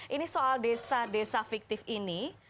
ini soal desa desa fiktif ini